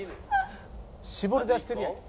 「絞り出してるやんけ」